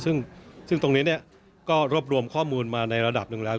ซึ่งตรงนี้ก็รวบรวมข้อมูลมาในระดับหนึ่งแล้ว